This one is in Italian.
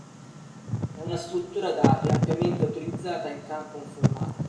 È una struttura dati ampiamente utilizzata in campo informatico.